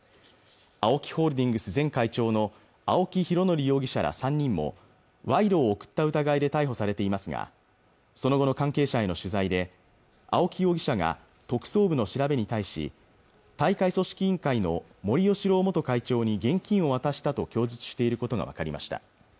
ＡＯＫＩホールディングス前会長の青木拡憲容疑者ら３人も賄賂を贈った疑いで逮捕されていますがその後の関係者への取材で青木容疑者が特捜部の調べに対し大会組織委員会の森喜朗元会長に現金を渡したと供述していることが分かりました